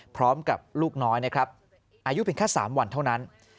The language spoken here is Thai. พร้อมกับลูกน้อยนะครับอายุเพียงแค่๓วันเท่านั้น